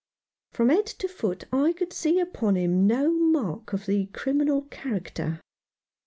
From head to foot I could tee upon him no mark of the criminal character.